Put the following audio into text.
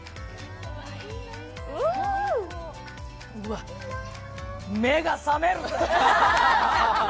うわっ、目が覚める！